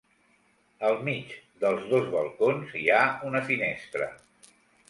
Al mig dels dos balcons hi ha una finestra.